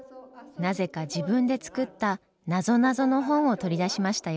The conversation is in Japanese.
なぜか自分で作ったなぞなぞの本を取り出しましたよ。